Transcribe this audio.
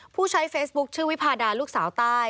ผู้ใช้เฟซบุ๊คชื่อวิพาดาลูกสาวใต้